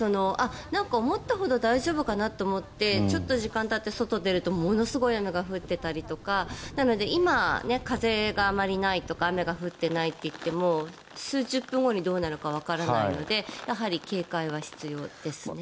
なんか思ったほど大丈夫かなと思ってちょっと時間がたって外に出るとものすごい雨が降っていたりとかなので今、風があまりないとか雨が降っていないといっても数十分後にはどうなるかわからないのでやはり警戒は必要ですね。